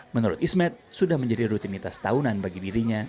menurut ismet sudah menjadi rutinitas tahunan bagi dirinya